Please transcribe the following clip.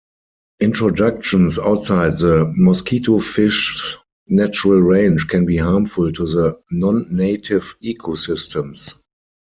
Introductions outside the mosquitofish's natural range can be harmful to the nonnative ecosystems.